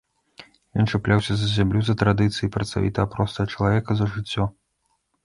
Ён чапляўся за зямлю, за традыцыі працавітага простага чалавека, за жыццё.